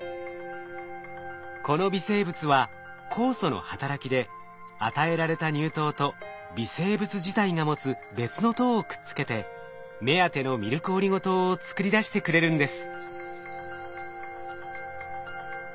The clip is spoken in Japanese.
この微生物は酵素の働きで与えられた乳糖と微生物自体が持つ別の糖をくっつけて目当てのミルクオリゴ糖を作り出してくれるんです。